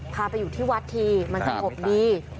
พาไปอยู่ที่วัดทีมันสงบดี